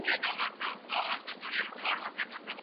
دا پنځم دئ.